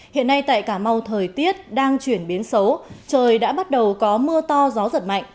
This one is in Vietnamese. hiện nay tại cà mau thời tiết đang chuyển biến xấu trời đã bắt đầu có mưa to gió giật mạnh